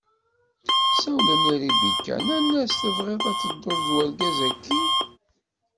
Sawlen i Ribika, nnan-as: Tebɣiḍ ad tedduḍ d urgaz-agi?